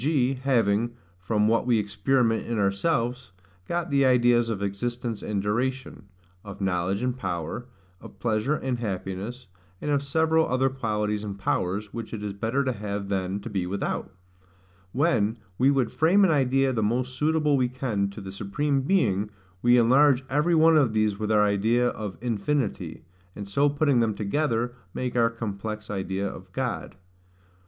g. having, from what we experiment in ourselves, got the ideas of existence and duration; of knowledge and power; of pleasure and happiness; and of several other qualities and powers, which it is better to have than to be without; when we would frame an idea the most suitable we can to the Supreme Being, we enlarge every one of these with our idea of infinity; and so putting them together, make our complex idea of God.